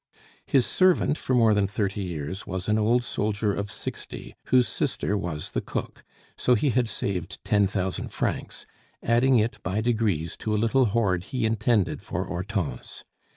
His servant for more than thirty years was an old soldier of sixty, whose sister was the cook, so he had saved ten thousand francs, adding it by degrees to a little hoard he intended for Hortense.